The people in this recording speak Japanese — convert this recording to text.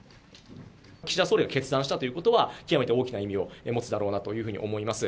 岸田総理が決断したということは、極めて大きな意味を持つだろうなというふうに思います。